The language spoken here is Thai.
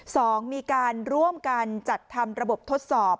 สองมีการร่วมกันจัดทำระบบทดสอบ